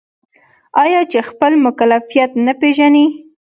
آیا چې خپل مکلفیت نه پیژني؟